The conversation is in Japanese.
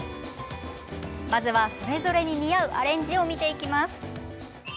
まずは、それぞれに似合うアレンジを見ていきます。